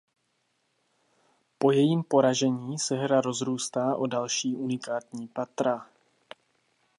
Po jejím poražení se hra rozrůstá o další unikátní patra.